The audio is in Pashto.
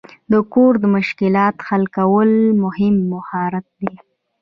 د کوډ مشکلات حل کول مهم مهارت دی.